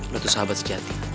lo tuh sahabat sejati